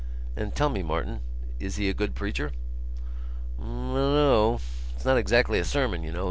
"And tell me, Martin.... Is he a good preacher?" "Munno.... It's not exactly a sermon, you know.